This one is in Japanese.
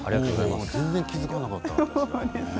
全然、気付かなかった。